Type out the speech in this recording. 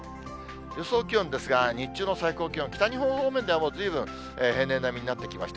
予想気温ですが、日中の最高気温、北日本方面ではずいぶん平年並みになってきました。